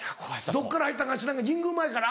どっから入ったか知らんけど神宮前から？